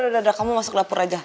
udah udah kamu masuk lapor aja